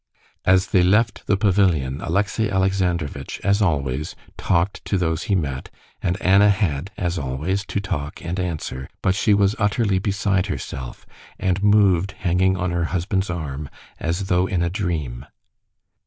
As they left the pavilion, Alexey Alexandrovitch, as always, talked to those he met, and Anna had, as always, to talk and answer; but she was utterly beside herself, and moved hanging on her husband's arm as though in a dream.